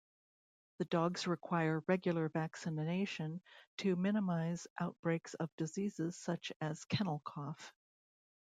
The dogs require regular vaccination to minimize outbreaks of diseases such as kennel cough.